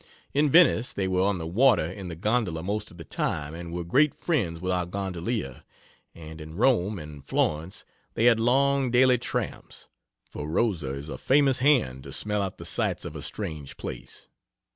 In Venice they were on the water in the gondola most of the time, and were great friends with our gondolier; and in Rome and Florence they had long daily tramps, for Rosa is a famous hand to smell out the sights of a strange place.